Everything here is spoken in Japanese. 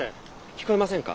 聞こえませんか？